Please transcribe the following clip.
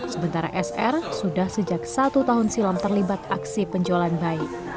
sementara sr sudah sejak satu tahun silam terlibat aksi penjualan bayi